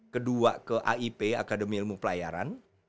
kedua ke aip akademi ilmu pelayaran